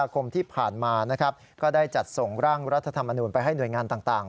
ก็ได้จัดส่งร่างรัฐธรรมนูญไปให้หน่วยงานต่าง